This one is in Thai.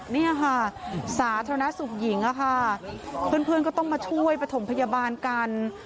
นี่ค่ะสาธารณสุขหญิงอะค่ะเพื่อนก็ต้องมาช่วยประถมพยาบาลกัน